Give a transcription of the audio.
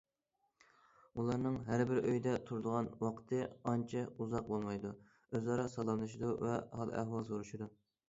ئۇلارنىڭ ھەربىر ئۆيدە تۇرىدىغان ۋاقتى ئانچە ئۇزاق بولمايدۇ، ئۆزئارا سالاملىشىدۇ ۋە ھال- ئەھۋال سورىشىدۇ.